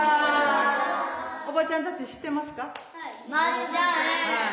おばちゃんたち知ってますか？